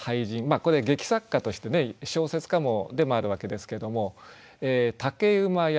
これ劇作家としてね小説家でもあるわけですけれども。